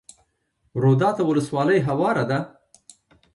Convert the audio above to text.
روداتو ولسوالۍ هواره ده؟